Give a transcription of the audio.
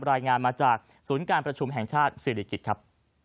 รายงานมาจากศูนย์การประชุมแห่งชาติศิริกิจครับ